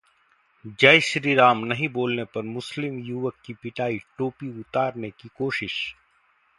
'जय श्री राम' नहीं बोलने पर मुस्लिम युवक की पिटाई, टोपी उतारने की कोशिश